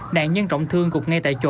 nạn nhân trọng thương gục ngay tại chỗ